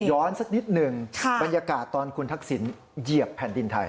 สักนิดหนึ่งบรรยากาศตอนคุณทักษิณเหยียบแผ่นดินไทย